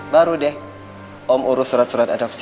baru deh om urus surat surat adapsi